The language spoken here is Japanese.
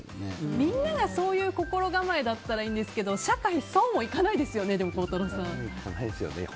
みんなが、そういう心構えならいいんですけど社会はそうもいかないですよね孝太郎さん。